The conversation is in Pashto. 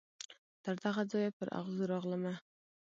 تر دغه ځایه پر اغزو راغلمه